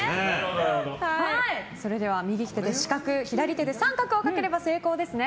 それでは右手で四角左手で三角を描ければ成功ですね。